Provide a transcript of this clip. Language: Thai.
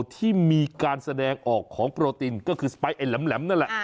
ที่มีการแสดงออกของโปรตินก็คือสไปร์ไอ้แหลมนั่นแหละ